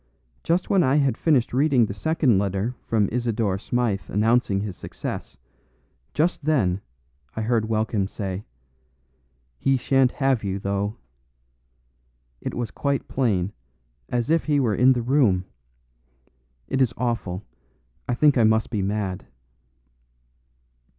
Just when I had finished reading the second letter from Isidore Smythe announcing his success. Just then, I heard Welkin say, 'He shan't have you, though.' It was quite plain, as if he were in the room. It is awful, I think I must be mad."